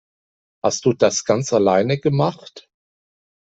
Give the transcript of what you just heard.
Hast du das ganz alleine gemacht?